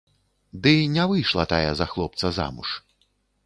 Ды не выйшла тая за хлопца замуж.